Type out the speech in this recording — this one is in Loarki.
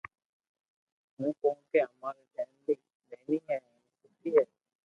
ھون ڪونڪو اما رو فيملي نيني ھين سوٺي ھي